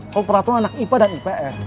kalo peraturan anak ipa dan ips